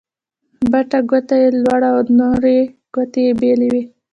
بټه ګوته يي لوړه او نورې ګوتې يې بېلې وې.